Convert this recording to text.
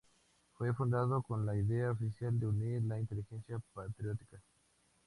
Fue fundado con la idea oficial de unir a la inteligencia patriótica.